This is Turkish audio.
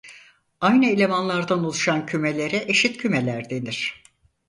Aynı elemanlardan oluşan kümelere eşit kümeler denir.